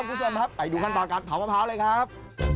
ไปดูขั้นตอนกันเผามะพร้าวเลยครับ